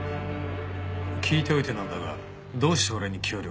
聞いておいてなんだがどうして俺に協力する？